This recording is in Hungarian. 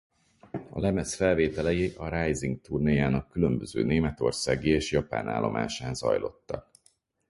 A lemez felvételei a Rising turnéjának különböző németországi és japán állomásán zajlottak.